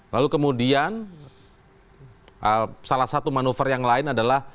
lalu kemudian salah satu manuver yang lain adalah